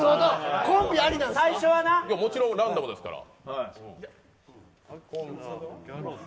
もちろんランダムですから。